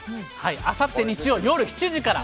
あさって日曜夜７時から。